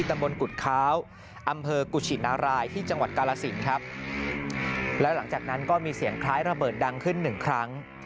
ตำบลกุฎค้าวอำเภอกุชินารายที่จังหวัดกาลสินครับแล้วหลังจากนั้นก็มีเสียงคล้ายระเบิดดังขึ้นหนึ่งครั้ง